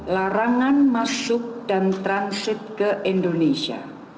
larangan masuk dan transit ke indonesia